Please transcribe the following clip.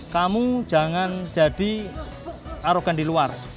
kamu jangan jadi arogan di luar